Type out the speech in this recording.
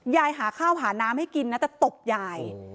หาข้าวหาน้ำให้กินนะแต่ตบยาย